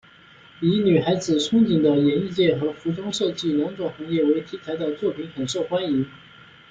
以女孩子憧憬的演艺界和服装设计两种行业为题材的作品很受欢迎。